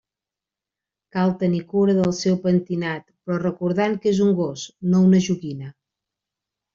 Cal tenir cura del seu pentinat, però recordant que és un gos, no una joguina.